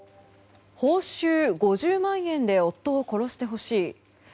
報酬５０万円で夫を殺してほしい。